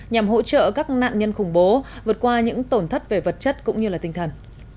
nhằm hỗ trợ các nạn nhân khủng bố vượt qua những tổn thất về vật chất cũng như tinh thần